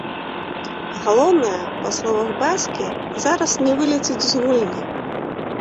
Галоўнае, па словах бацькі, зараз не вылецець з гульні.